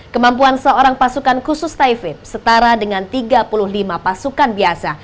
kemampuan seorang pasukan khusus taifib setara dengan tiga puluh lima pasukan biasa